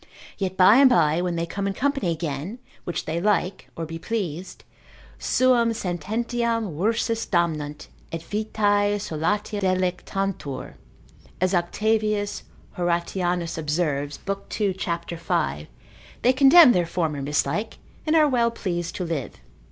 Yet by and by when they come in company again, which they like, or be pleased, suam sententiam rursus damnant, et vitae solatia delectantur, as Octavius Horatianus observes, lib. 2. cap. 5, they condemn their former mislike, and are well pleased to live.